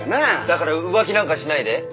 「だから浮気なんかしないで。